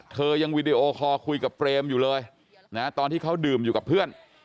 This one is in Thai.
เธอยังวีดีโอคอลคุยกับเปรมอยู่เลยนะตอนที่เขาดื่มอยู่กับเพื่อน